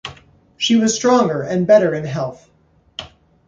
She was stronger and better in health.